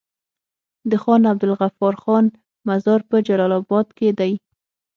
د خان عبدالغفار خان مزار په جلال اباد کی دی